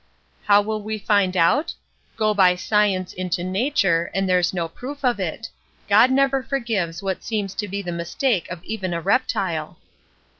"How will we find out? Go by science into nature, and there's no proof of it; God never forgives what seems to be the mistake of even a reptile!"